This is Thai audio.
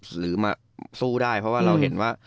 หรือมาสู้ได้เพราะว่าเราเห็นว่า